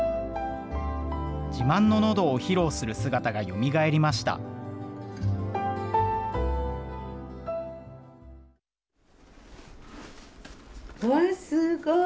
自慢の喉を披露する姿がよみがえりましたわすごい！